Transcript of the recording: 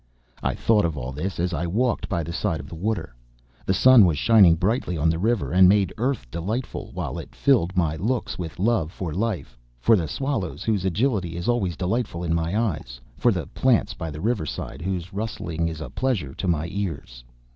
I thought of all this as I walked by the side of the water. The sun was shining brightly on the river and made earth delightful, while it filled my looks with love for life, for the swallows, whose agility is always delightful in my eyes, for the plants by the riverside, whose rustling is a pleasure to my ears.